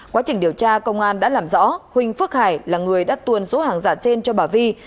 quá trình điều tra công an đã làm rõ huỳnh phước hải là người đã tuồn số hàng giả trên cho bà vi